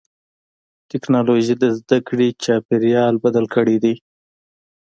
ټکنالوجي د زدهکړې چاپېریال بدل کړی دی.